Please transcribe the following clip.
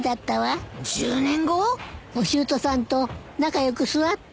おしゅうとさんと仲良く座って。